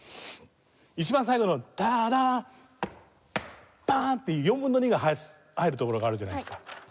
一番最後の「タラッバン」って４分の２が入るところがあるじゃないですか。